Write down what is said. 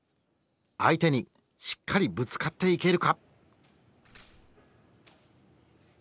相手にしっかりぶつかっていけるか。